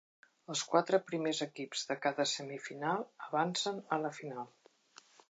Els quatre primers equips de cada semifinal avançaven a la final.